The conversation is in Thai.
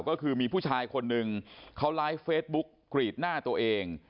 ก็คือมีผู้ชายคนหนึ่งเขาไลฟ์เฟซบุ๊กกรีดหน้าตัวเอง